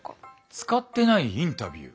使ってないインタビュー？